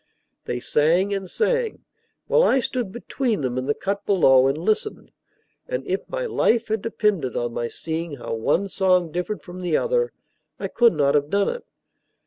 They sang and sang, while I stood between them in the cut below and listened; and if my life had depended on my seeing how one song differed from the other, I could not have done it.